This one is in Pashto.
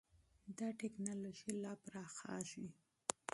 دا ټېکنالوژي لا پراخېږي.